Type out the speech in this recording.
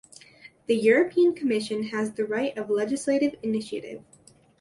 The European Commission has the right of legislative initiative.